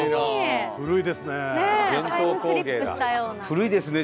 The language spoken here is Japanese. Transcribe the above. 古いですねえ。